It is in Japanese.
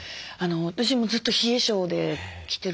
私もずっと冷え症で来てる。